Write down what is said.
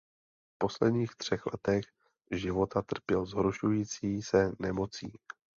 V posledních třech letech života trpěl zhoršující se nemocí.